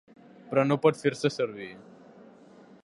Però no pot fer-se servir.